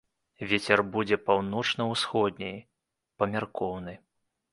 Вецер будзе паўночна-ўсходні, памяркоўны.